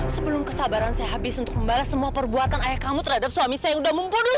sebelum kesabaran saya habis untuk membalas semua perbuatan ayah kamu terhadap suami saya udah mempunyai soal usual ini